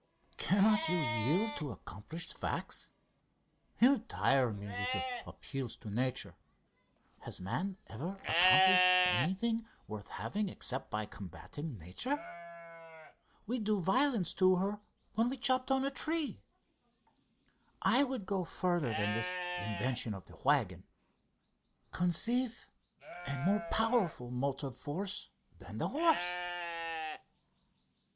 "Cannot you yield to accomplished facts? You tire me with your appeals to Nature. Has man ever accomplished anything worth having except by combating Nature? We do violence to her when we chop down a tree! I would go further than this invention of the waggon. Conceive a more powerful motive force than that horse...."